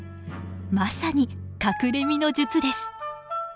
まさに隠れ身の術です。